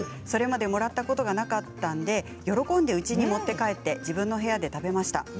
それまでもらったことがなかったので喜んでうちに持って帰って自分の部屋で食べました。